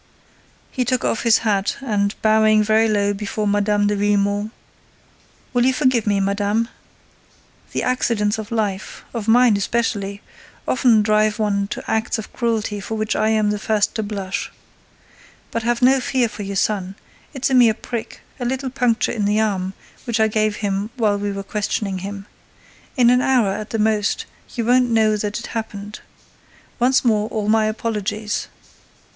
He took off his hat and, bowing very low before Mme. de Villemon: "Will you forgive me, madame? The accidents of life—of mine especially—often drive one to acts of cruelty for which I am the first to blush. But have no fear for your son: it's a mere prick, a little puncture in the arm which I gave him while we were questioning him. In an hour, at the most, you won't know that it happened. Once more, all my apologies.